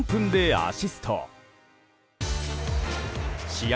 試合